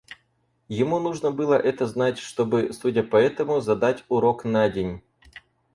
Ему нужно было это знать, чтобы, судя по этому, задать урок на день.